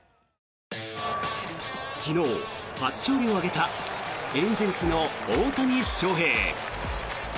昨日、初勝利を挙げたエンゼルスの大谷翔平。